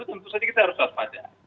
tentu saja kita harus waspada